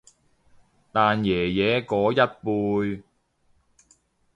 但爺爺嗰一輩